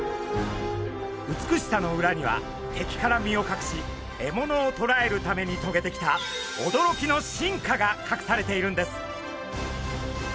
美しさの裏には敵から身をかくし獲物をとらえるためにとげてきた驚きの進化がかくされているんです。